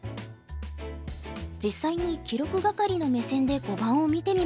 実際に記録係の目線で碁盤を見てみましょう。